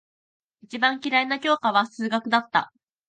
一番嫌いな教科は数学だった。